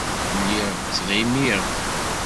Lliɣ ttɣimiɣ.